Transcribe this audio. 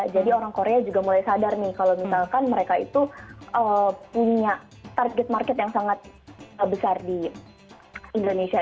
jadi orang korea juga mulai sadar nih kalau misalkan mereka itu punya target market yang sangat besar di indonesia